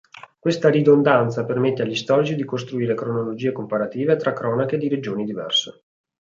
Questa ridondanza permette agli storici di costruire cronologie comparative tra cronache di regioni diverse.